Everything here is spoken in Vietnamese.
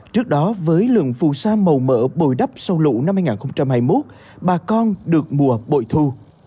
trước đó với lượng phù sa màu mỡ bồi đắp sâu lụ năm hai nghìn hai mươi một bà con được mùa bội thu